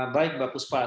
baik pak kuspasa